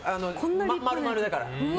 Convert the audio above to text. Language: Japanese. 丸々だから。